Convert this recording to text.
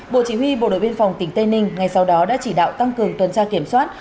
bộ chỉ huy bộ đội biên phòng tỉnh tây ninh ngay sau đó đã chỉ đạo tăng cường tuần tra kiểm soát